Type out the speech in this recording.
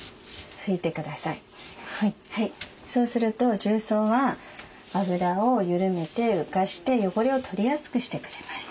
そうすると重曹は油を緩めて浮かして汚れを取りやすくしてくれます。